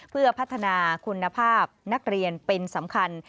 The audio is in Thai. เพื่อพัฒนาคุณภาพนักเรียนเป็นสำคัญ